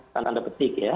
karena anda petik ya